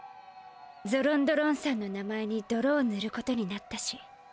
ゾロンド・ロンさんの名前にどろをぬることになったし。